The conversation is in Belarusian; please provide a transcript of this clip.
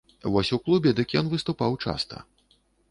Вось у клубе дык ён выступаў часта.